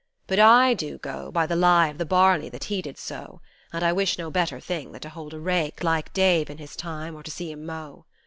But I do go By the lie of the barley that he did sow, And I wish no better thing than to hold a rake Like Dave, in his time, or to see him mow.